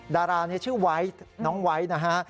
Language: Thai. ดาราชื่อวัยน้องวัยนะฮะ